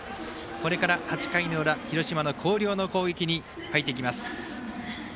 これから８回の裏広島の広陵の攻撃に入っていきます。